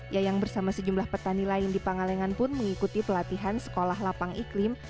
yayang bersama sejumlah petani lain di pangalengan pun mengikuti pelatihan sekolah lapang iklim